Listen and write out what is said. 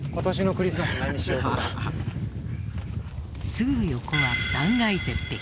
すぐ横は断崖絶壁。